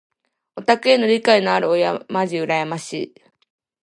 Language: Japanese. オタクへの理解のある親まじ羨ましい。